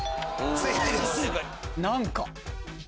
何か。